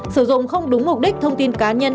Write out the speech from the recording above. sử dụng không đúng mục đích thông tin cá nhân